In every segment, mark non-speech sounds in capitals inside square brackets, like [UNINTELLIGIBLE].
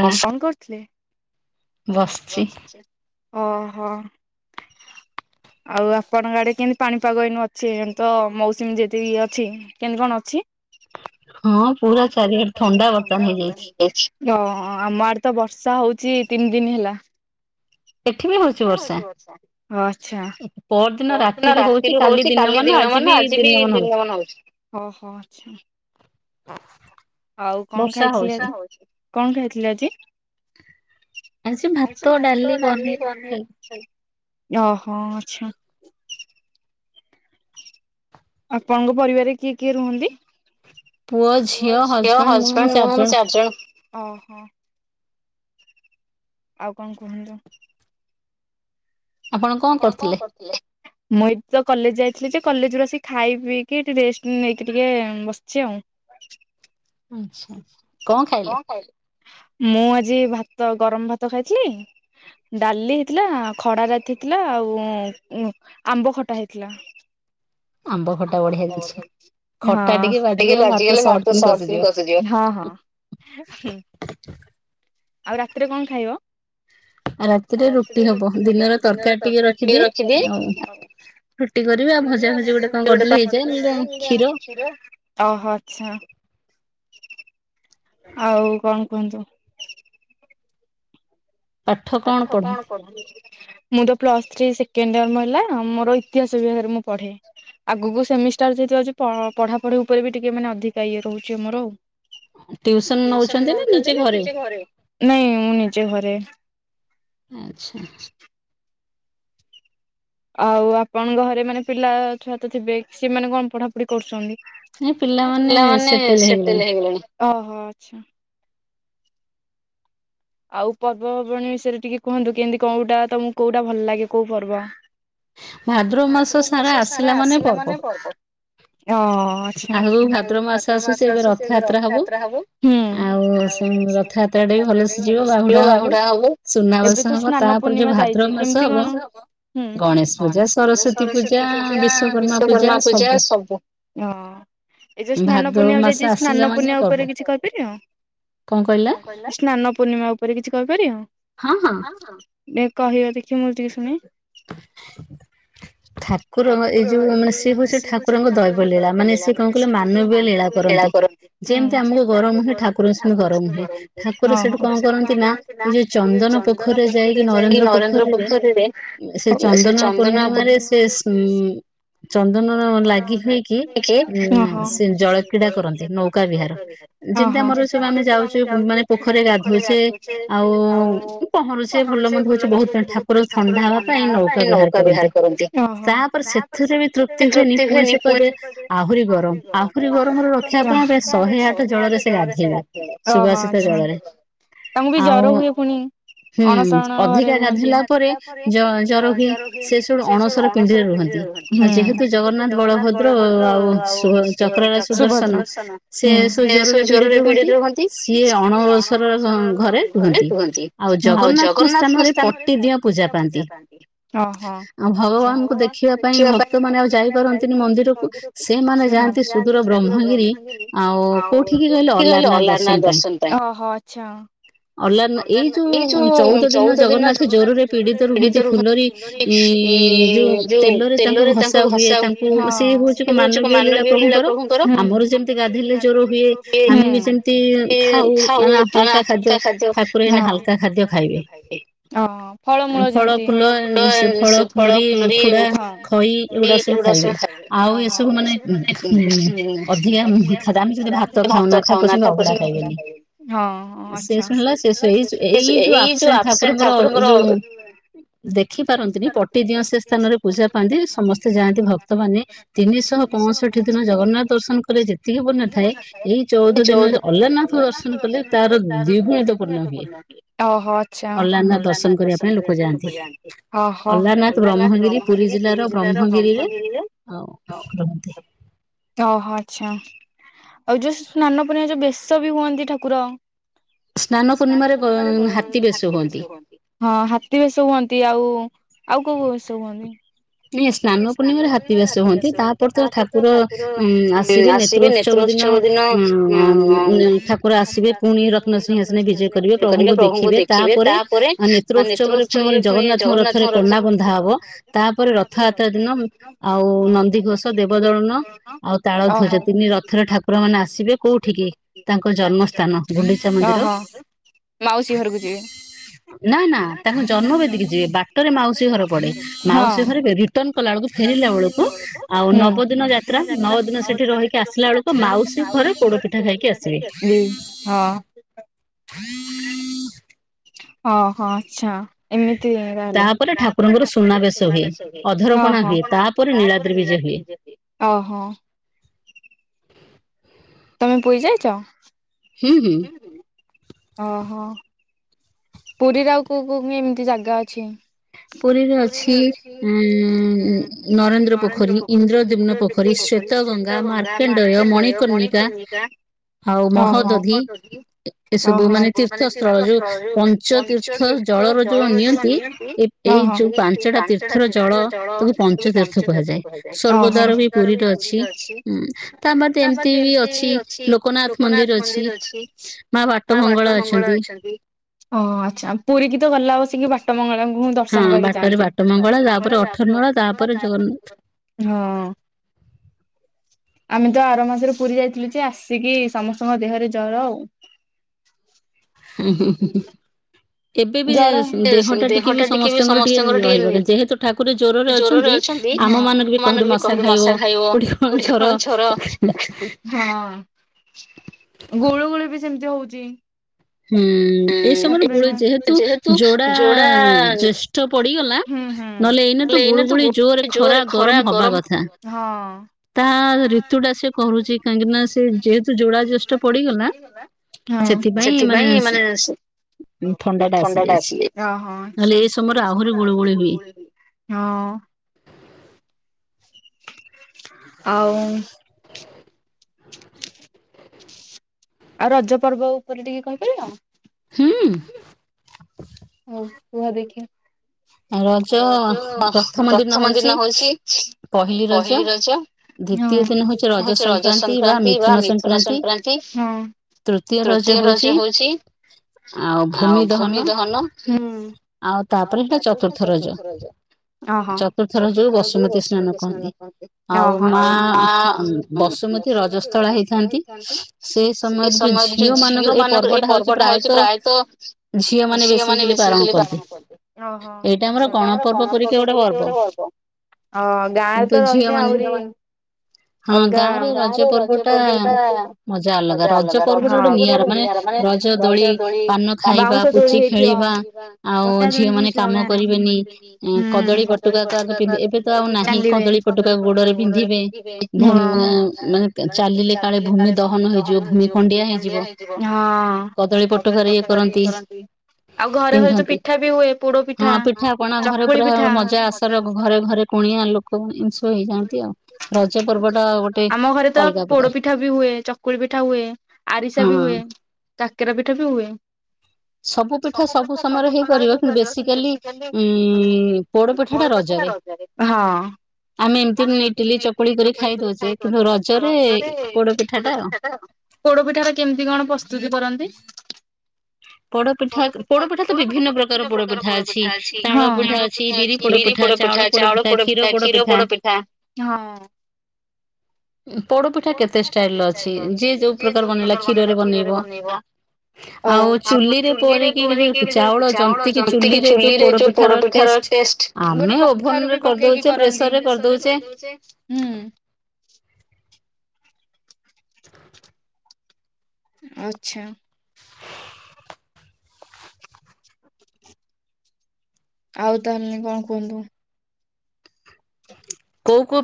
ଦର୍ଶନ କରିଥିଲେ ବସିଛି ଓହୋ [UNINTELLIGIBLE] ଆଉ ଆପଣଙ୍କ ଆଡେ କେମତି ପାଣିପାଗ ଏଇନୁ ଅଛି ଏମି ତ ମୌସୁମୀ ଯେତିକି ଅଛି କେମିତି କଣ ଅଛି [INAUDIBLE] ହଁ ହଁ ପୁରା [INAUDIBLE] ପୁରା ହଁ ଆମ ଆଡେ ତ ବର୍ଷା ହଉଛି [INAUDIBLE] ତିନି ଦିନ ହେଲା [INAUDIBLE] ଆଛା ପର ଦିନ ରାତିରୁ ହଉଛି କାଲି ଦିନମାନ ଆଜି ବି ଦିନମାନ ହଉଛି ଓହୋ ଆଛା ଆଉ କଣ ଖାଇଥିଲେ ଆଜି କଣ ଖାଇଥିଲେ ଆଜି? ଭାତ ଡାଲି ପନିର ଖାଇଛି ଓହୋ ଆଛା ଆପଣଙ୍କ ପରିବାରରେ କିଏ କିଏ ରୁହନ୍ତି? ପୁଅ ଝିଅ ହଜବେଣ୍ଡ ମୁଁ ଆମ ଚାରିଜଣ ଓ ହ ଆଉ କଣ କୁହନ୍ତୁ ଆପଣ କଣ କରୁଥିଲେ? ମୁ ଏଇତ କଲେଜ ଯାଇ ଥିଲି ଯେ କଲେଜରୁୁ ଆସିକି ଖାଇ ପିଇକି ରେଷ୍ଟ ନେଇକି ଟିକେ ବସିଛି ଆଉ [UNINTELLIGIBLE] କଣ ଖାଇଲେ? ମୁଁ ଆଜି ଭାତ ଗରମ ଭାତ ଖାଇଥିଲି ଡାଲି ହେଇଥିଲା ଖଡା ରାତି ଥିଲା ଆଉ ଆମ୍ବ ଖଟା ହେଇଥିଲା [UNINTELLIGIBLE] [INAUDIBLE] ହଁ [INAUDIBLE] ହଁ ହୁଁ ଆଉ ରାତିରେ କଣ ଖାଇବ? ରାତିରେ ରୋଟି ହବ ଦିନରେ ତରକାରୀ ଟିକେ ରଖିଦିଏ ରୁଟି କରିବି ଆଉ ଭଜାଭଜି ଗୋଟେ କଣ କରିଦେବି [INAUDIBLE] ଓହୋ ଆଛା [UNINTELLIGIBLE] ଆଉ କଣ କୁହନ୍ତୁ ପାଠ କଣ ପଢୁଛ? ମୁଁ ତ ପ୍ଲସଥ୍ରୀ ସେକେ [INAUDIBLE] ମୋ ହେଲା ମୋର ଇତିହାସ ବିଭାଗରେ ମୁଁ ପଢେ ଆଗକୁ ସେମିଷ୍ଟାର ଯଦି ଅଛି ପଢାପଢି ଉପରେ ବି ଟିକେ ମାନେ ଅଧିକା ଇଏ ରହୁଛି ଆମର ଆଉ ଟ୍ୟୁସନ ନଉଛନ୍ତି କି ନିଜେ ଘରେ ନାଇଁ ମୁଁ ନିଜେ ଘରେ ଆଚ୍ଛା ଆଉ ଆପଣଙ୍କ ଘରେ ମାନେ ପିଲା ଛୁଆ ତ ଥିବେ ସେମାନେ କଣ ପଢାପଢି କରୁଛନ୍ତି? ପିଲାମାନେ ସେଟେଲ୍‌ ହେଇଗଲେଣି ଓହୋ ଆଚ୍ଛା ଆଉ ପର୍ବପର୍ବାଣୀ ବିଷୟରେ ଟିକେ କୁହନ୍ତୁ କେମିତି କୋଉଟା ତମକୁ କୋଉଟା ଭଲ ଲାଗେ କୋଉ ପର୍ବ ଭାଦ୍ରବ ମାସ ସାରା ଆସିଲା ମାନେ ପର୍ବ ଅଁ ହଁ ଆଛା ଆଉ ଭାଦ୍ରବ ମାସ ଆସୁଛି ସେ ଏବେ ରଥଯାତ୍ରା ହବ ହୁଁ ଆଉ ରଥଯାତ୍ରା [INAUDIBLE] କିଓ ବାହୁଡା ହବ ଏବେ ତ ସ୍ନାନ ପୂର୍ଣ୍ଣିମା ଯାଇଛି କେମିତି କଣ ହବ? ହୁଁ ଗଣେଶ ପୂଜା ସରସ୍ବତୀ ପୂଜା ବିଶ୍ୱକର୍ମା ପୂଜା ସବୁ ଓଁ ଏ ଯୋଉ ସ୍ନାନ ପୂର୍ଣ୍ଣିମା ଯାଇଛି ସ୍ନାନ ପୁର୍ଣିମା ଉପରେ କିଛି କହିପାରିବ? କଣ କହିଲ? ସ୍ନାନ ପୂର୍ଣ୍ଣିମା ଉପରେ କିଛି କହିପାରିବ? ହଁ ହଁ ଏ କହିବ ଦେଖି ମୁଁ ଟିକେ ଶୁଣେ [INAUDIBLE] ଠାକୁର ଙ୍କ ଏ ଯଉ ମାନେ ସିଏ ହଉଚି ଠାକୁରଙ୍କ ଦୈବ ଲୀଳା ମାନେ ସିଏ କଣ କହିଲେ ମାନବୀୟ ଲୀଳା କରନ୍ତି। ଯେମିତି ଆମକୁ ଗରମ ହୁଏ ଠାକୁରଙ୍କୁ ସେମିତି ଗରମ ହୁଏ ଠାକୁର ସେଠୁ କଁ କଣ କରନ୍ତି ନା ଏଇ ଯୋଉ ଚନ୍ଦନ ପୋଖରୀରେ ଯାଇକି ନରେନ୍ଦ୍ର ପୋଖରୀରେ ସେ ଚନ୍ଦନ ପୂର୍ଣ୍ଣିମାରେ ସେ ସୁମ୍ ଚନ୍ଦନ ନ ଲାଗି ହୁଏକି ଉଁ ସେ ଜଳକ୍ରୀଡା କରନ୍ତି ନୌକା ବିହାର ଯେମିତି ଆମର ସବୁ ଆମେ ଯାଉଚୁ ମାନେ ପୋଖରୀ ରେ ଗାଆ ଗାଧୋଉଚେ ଆଉ ଉଁ ପହଁରୁଚେ ଭଲ ମନ୍ଦ ହଉଚେ ବହୁତ ପାଣି ଠାକୁର ଥଣ୍ଡା ହବା ପାଇଁ ନୌକା ବିହାର କରନ୍ତି ତାପରେ ସେଥିରେ ବି ତୃପ୍ତି ହୁଏନି ପୁଣି ସେ କହିବେ ଆଉ ଆହୁରି ଗରମ ଆହୁରି ଗରମରେ ରକ୍ଷା ପାଇବା ପାଇଁ ଶହେ ଆଠ ଜଳରେ ସେ ଗାଧେଇବେ ସୁବାସିତ ଜଳରେ ଆଉ ହୁଁ ଅଧିକା ଗାଧଇଲା ପରେ ଜ ଜର ହୁଏ ସେ ସେଠୁ ଅଣସର ପିଣ୍ଡିରେ ରୁହନ୍ତି ଆଉ ଯେହେତୁ ଜଗନ୍ନାଥ ବଳଭଦ୍ର ଆଉ ଶୁଭ ଚକ୍ରରେ ସୁଦର୍ଶନ ସେ ସବୁ ଜରରେ ପୀଡିତ ରୁହନ୍ତି ସିଏ ଅ ଅଣ ଓସର ଘ ଅନଶରର ଘରେ ରୁହନ୍ତି ଆଉ ଜଗନ୍ନାଥଙ୍କ ସ୍ଥାନରେ ପଟିକଅଁ ପୂଜା ପାନ୍ତି ଭଗବାନଙ୍କୁ ଦେଖିବା ପାଇଁ ଭକ୍ତ ମାନେ ଆଉ ଯାଇପାରନ୍ତିନି ମନ ସେମାନେ ଯାଆନ୍ତି ସୁଦୂର ବ୍ରହ୍ମଗିରି ଆଉ କୋଉଠି କି କହିଲେ ଅଲାରନାଥ ଦର୍ଶନ ଓହୋ ଆଚ୍ଛା। ଅଲାରନାଥ ଏଇ ଯୋଉ ଚଉଦ ଦିନ ଜଗନ୍ନାଥ ଯି ଜୋରରେ ପୀଡିତ ରୁହନ୍ତି ଫୁଲୁରୀ ଇ ଯୋଉ ତେଲରେ ତାଙ୍କୁ ଘସା ହୁଏ। ହଁ ସେ ହଉଛି ଏକ ମାନବୀୟ ଲୀଳା ପ୍ରଭୁଙ୍କର ଆମକୁ ଯେମିତି ଗାଧଇଲେ ଜର ହୁଏ ଆମକୁ ଯେମିତି ଇଏ ହଉ ମାନେ ହାଲ୍‌କା ଖାଦ୍ୟ ଖାଇବେ ଏଇଟା ହାଲ୍‌କା ଖାଦ୍ୟ ଖାଇବେ ମୂଳ ଯେମତି ଫଳ ଫୁଲ ଏଁ ସେ ଫଳ ଫୁଲୁରୀ ହଁ ମୁଢି ଚୁଡା ସବୁ ଖାଇନ୍ତି। [UNINTELLIGIBLE] ଭାତ ଖାଉନ ଖାଲି କହୁଚନ୍ତି ହଁ ଆଚ୍ଛା। ଏଇ ଯୋ ଏଇ ଯୋଉ ଆପସେଣ୍ଟ ଠାକୁରଙ୍କର ଯୋଉ ଦେଖି ପାରନ୍ତିନି ପଟି ଦିଅଁ ସେ ସ୍ଥାନରେ ପୂଜା ପାଆନ୍ତି ସମସ୍ତେ ଯାଆନ୍ତି ଭକ୍ତମାନେ ତିନିଶହ ପଅଁଷଠି ଦିନ ଜଗନ୍ନାଥ ଦର୍ଶନ କଲେ ଯେତିକି ପୁଣ୍ୟ ଥାଏ ଏଇ ଚଉଦ ଦିନ ଯୋ ଅଲାରନାଥ ନାଥ ଦର୍ଶନ କଲେ ତାର ଦ୍ୱି ଗୁଣିତ ଓହୋ ଆଚ୍ଛା। ଦର୍ଶନ କରିବା ପାଇଁ ଲୋକ ଯାଆନ୍ତି ଅଲାରନାଥ ବ୍ରହ୍ମଗିରି ପୁରୀ ଜିଲ୍ଲାର ବ୍ରହ୍ମଗିରିରେ ହଉ ରୁହନ୍ତି ଓ ହୋ ଆଚ୍ଛା। ଆଉ ଯୋଉ ସ୍ନାନ ପୁର୍ଣ୍ଣିମା ଯୋଉ ବେଶ ବି ହୁଅନ୍ତି ଠାକୁର ସ୍ନାନ ପୂର୍ଣ୍ଣିମା ରେ ହାତୀ ବ ହାତୀ ବେଶ ହୁଅନ୍ତି। ତ ହୁଅନ୍ତି ଆଉ ଆଉ କୋଉ କୋଉ ବେଶ ହୁଅନ୍ତି? ଏ ସ୍ନାନ ପୂର୍ଣ୍ଣିମାରେ ହାତୀ ବେସ ହୁଅନ୍ତି ତାପରେ ତ ଠାକୁର ଆସିବେ ନେତ୍ର ଉତ୍ସ ଯୋଉ ଦୀନ ଉଁ ଠାକୁର ଆସିବେ ପୁଣି ରତ୍ନ ସିଂହାସନ ରେ ବିଜେ କରିବେ ପ୍ରଭୁଙ୍କୁ ଦେଖିବେ ତାପରେ ମାନେ ନେତ୍ର ଉତ୍ସବରେ ଫୁଣି ଜଗନ୍ନାଥଙ୍କ ରଥରେ [UNINTELLIGIBLE] ରଥଯାତ୍ରା ଦିନ ଆଉ ନନ୍ଦିଘୋଷ ଦେବଦଳନ ଆଉ ତାଳ ଧ୍ୱଜ ତିନି ରଥରେ ଠାକୁର ର ମାନେ ଆସିବେ କୋଉଠିିକି ତାଙ୍କ ଜନ୍ମ ସ୍ଥାନ ଗୁଣ୍ଡିଚା ମନ୍ଦିର। ମାଉସୀ ଘରକୁ ଯିବେ। ନା ନା ତାଙ୍କ ଜନ୍ମ ବେଦିକି ଯିବେ ବାଟରେ ମାଉସୀ ଘର ପଡେ ମାଉସୀ ଘରେ ରିଟନ କଲା ବଳକୁ ଫେରିଲା ବେଳକୁ ଆଉ ନବ ଦିନ ଯାତ୍ରା ନଅ ଦିନ ସେଠି ରହିକି ଆସିଲ ବେଳକୁ ମା ଆଉସି ଘରେ ପୋଡ ପିଠା ଖାଇକି ଆସିବେ। [INAUDIBLE] ଓହୋ ଆଛା। ଏମିତି ତାହେଲେ ଅ ହ। ଓହୋ। ତମେ ପୁରୀ ଯାଇଚ? [UNINTELLIGIBLE] ଓହୋ। ପୁରୀରେ ଆଉ କୋଉ କୋଉ ମି ଏମତି ଜାଗା ଅଛି? ପୁରୀରେ ଅଛି ଉମ ନରେନ୍ଦ୍ର ପୋଖରୀ ଇନ୍ଦ୍ରଦିମ୍ନ ପୋଖରୀ। ସେତ ଗଙ୍ଗା ମର୍ଚେଣ୍ଡୟ ମଣିପୂର୍ଣିକା। ହଉ ମହଦଧି ଏସବୁ ମାନେ ତୀର୍ଥସ୍ଥଳ ଯୋଉ ପ ସେ ତୀର୍ଥ ଜଳର ଯୋଉ ନିଅନ୍ତି ଏ ଏଇ ଯୋଉ ପାଞ୍ଚଟା ତୀର୍ଥର ଜଳ ତାକୁ ପଞ୍ଚ ତୀର୍ଥ କୁହାଯାଏ। ସୋର୍ଗ ଦାର ବି ପୁରୀ ଏଡ଼େ ଅଛି ତା ମାଦେ ଏମିତି ବି ଅଛି ଲୋକନାଥ ମନ୍ଦିର ଅଛି। ମା ବାଟ ମଙ୍ଗଳା ଅଛନ୍ତି। ଓ ଆଚ୍ଛା ପୁରୀ କିି ତ ଗଲା ଆସିକି ବାଟ ମଙ୍ଗଳା ମୁଁ ଦର୍ଶନ କରିକି ଚାଇଚି। ହଁ। [INAUDIBLE] ଆମେ ତ ଆର ମାସରେ ପୁରୀ ଯାଇଥିଲୁ ଯେ ଆସିକି ସମସ୍ତଙ୍କ ଦେହରେ ଜର ଆଉ। ଉହ୍ ହୁ ହୁ। ଏବେ ବି ଦେହ ଟା ଟିକେ ବି ସମସ୍ତଙ୍କର ଟିକେ ରହିବ ଯେହେତୁ ଠାକୁର ଜ୍ୱରରେ ଅଛନ୍ତି ଆମ ମାନଙ୍କୁ ବି କୋହୁଠୁ ମଶା ଖାଇବ କୋଉଠି କଣ ଜର ଗୁଳୁ ଗୁଳୀ ବି ସେମିତି ହଉଚି। ହୁଁ ଏଇ ସମୟରେ ଗୁଡେ ଯେହେ ତୁ ଯୋଡା ଜେଷ୍ଠ ପଡିଗଲା ନହେଲେ ଏଇନା ତ ଗୁଳୁଗୁଳି ଜୋରେ ଖ ହଁ। ତା ଋତୁ ଟା ସେ କହୁଛି କାହିଁକି ନା ସେ ଯେହେତୁ ଯୋଡ଼ା ଜେଷ୍ଠ ପଡିଗଲା। ସେଥିପାଇଁ ମାନେ ଥ ଥଣ୍ଡା ଟା ଆସିଲେହ ଆଉ ଆଉ ରଜ ପର୍ବ ଉପରେ ଟିକେ କହିପାରିବ? ହୁଁ। ହଉ କୁହ ଦେଖିବା। ରଜ ପ୍ରଥମ ଦିନ ହଉଚି ପହିଲି ରଜ। ହ ହଉଚି ରଜ ସଂକ୍ରାନ୍ତି ବା ମିଥୁନ ସଂକ୍ରାନ୍ତି। ତୃତୀୟ ରଜ ହଉଚି ଆଉ ଭୂମି ଦହନ। ଆଉ ତାପରେ ଏମିତି ଚ ଏଇଟା ଚର୍ଥୁତ ରଜ। ଓହୋ, ଅହ ଆଛା। ବସୁମତୀ ରଜସ୍ଥଳ ହେଇଥାନ୍ତି, ସେଇ ସମୟରେ ଯୋଉ ଝିଅ ମାନଙ୍କର ଏଇ ପର୍ବ ଟା ହଉଛି ପ୍ରା ଆୟେତ ଝିଅ ମାନେ ବେଶୀ ଏଥି ଲେ ବାରଣ କନ୍ତି। ଓୋ ଆଛା। ଅ ଗାଁରେ ତ ରହିଲେ ଆହୁରି। ଅଲଗା ହଁ ବାଉଁଶ ଦୋଳି ହେଇ ଅଁ ପଟା ଦୋଳି ବି ଆମ ଗାଁ ରେ, ହଁ, ଚାଲିବେ। ହଁ। ହଁ। ଆଉ ଘରେ ଘରେ ଯଉଁ ପିଠା ବି ହୁଏ ପୋଡ ପିଠା ହଁ ପିଠା ପଣା ଘରେ ପୁରା ମଜା ଆସର ଘରେ ଘରେ କୁଣିଆ ଲୋକ ଏମିତି ସବୁ ହେଇଯାଆନ୍ତି ଆଉ। ଆମ ଘରେ ତ ପୋଡ ପିଠା ବି ହୁଏ, ଚକୁଳି ପିଠା ହୁଏ ଆରିସା ବି ହୁଏ। କାକରା ପିଠା ବି ହୁଏ। ସବୁ ପିଠା ସବୁ ସମୟରେ ହେଇପାରିବ କିନ୍ତୁ ବେଶୀ ବେଶିକାଲି ଉ ପୋଡ଼ପିଠାଟା ରଜରେ। ଆମେ ଏମିତିରେ ଇଟିଲି ଚକୁଳି କରି ଖାଇଦଉଚେ କିନ୍ତୁ ରଜରେ ପୋଡ଼ପିଠାଟା ପୋଡପିଠାଟା କେମତି କଣ ପ୍ରସ୍ତୁତି କରନ୍ତି? ପୋଡପିଠା ପୋଡପିଠା ତ ବିଭିନ୍ନ ପ୍ରକାର ପୋଡପିଠା ଅଛି ତାଳ ପିଠା ଅଛି, ବିରି ପୋଡ଼ପି ପିଠା, ଚାଉଳ ପୋଡ ପିଠା, କ୍ଷୀର ପୋଡ ପିଠା। [UNINTELLIGIBLE] ପୋଡପିଠା କେତେ ଷ୍ଟାଇଲର ଅଛି, ଯିଏ ଯୋଉ ପ୍ରକାର ବନେଇଲା କ୍ଷୀରରେ ବନେଇବ। ଆଉ ଚୁଲିରେ କରିକିରି ଯୋଉ ଚାଉଳ ଜନ୍ତିକି ଚୁଲିରେ ଯୋଉ ପୋଡପିଠାର ଟେଷ୍ଟ, ଆମେ ଓଭନ ରେ କରିଦଉଚେ ପ୍ରେସରରେ କରିଦଉଚେ। ଆଚ୍ଛା। ଆଉ ତାହେଲେ କଣ କୁହନ୍ତୁ?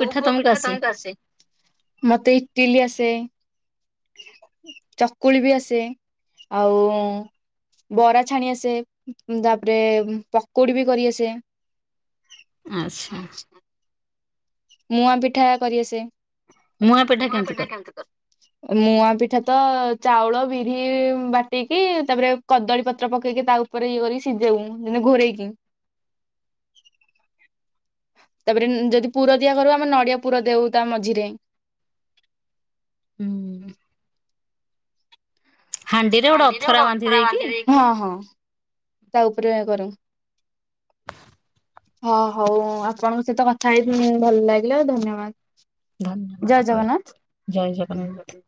କୋଉ କୋଉ ପିଠା ତମକୁ ଆସେ? ଚକୁଳି ବି ଆସେ, ଆଉ ବରା ଛାଣି ଆସେ, ତାପରେ ପକୁଡି ବି କରିଆସେ। ଆଚ୍ଛା। ମୁଆଁ ପିଠା କରିଆସେ। ମୁଆଁ ପିଠା କେମତି କର? ମୁଆଁ ପିଠା ତ ଚାଉଳ ବିରି ବାଟିକି ତାପରେ କଦଳୀ ପତ୍ର ପକେଇକି ତା ଉପରେ କରିକି ସିଝେଇ ବୁନୁ ଯେମତି ଘୋରେଇକି। [UNINTELLIGIBLE] ତାପରେ ଯଦି ପୁର କରିବ, ଆମେ ନଡିଆ ପୁର ଦେଉ ତା ମଝିରେ। ଉଁ। ହାଣ୍ଡିରେ ଗୋଟେ ଅଥରା ବାନ୍ଧି ଦେଇକି ହଁ ହଉ ଆପଣଙ୍କ ସହିତ କଥା ହେଇକି ଭଲ ଲାଗିଲା ଧନ୍ୟବାଦ। ଜୟ ଜଗନ୍ନାଥ।